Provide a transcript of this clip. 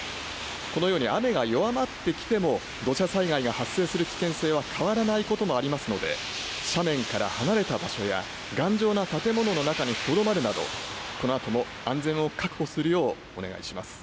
このように雨が弱まってきても土砂災害が発生する危険性は変わらないこともありますので斜面から離れた場所や頑丈な建物の中にとどまるなどこのあとも安全を確保するようお願いします。